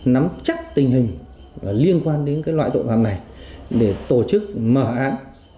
nắm chắc tình hình liên quan đến loại tội phạm này để tổ chức mở án